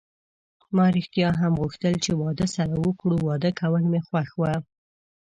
ما ریښتیا هم غوښتل چې واده سره وکړو، واده کول مې خوښ و.